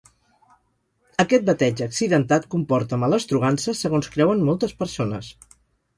Aquest bateig accidentat comporta malastrugança, segons creuen moltes persones.